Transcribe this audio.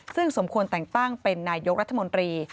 ซึ่งสมควรแต่งตั้งเป็นนายกรัฐมนตรี